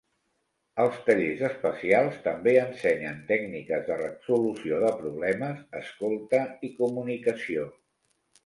Els tallers especials també ensenyen tècniques de resolució de problemes, escolta i comunicació.